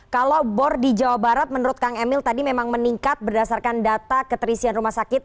kalau bor di jawa barat menurut kang emil tadi memang meningkat berdasarkan data keterisian rumah sakit